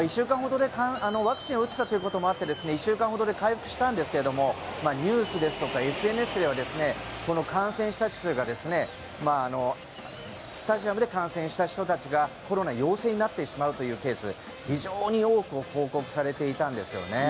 ワクチンを打っていたこともあって１週間ほどで回復したんですけれどもニュースですとかＳＮＳではスタジアムで観戦した人たちがコロナ陽性になってしまうというケース非常に多く報告されていたんですよね。